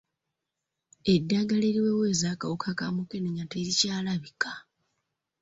Eddagala eriweweeza akawuka kamukennya terikyalabika.